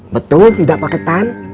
betul tidak pak ketan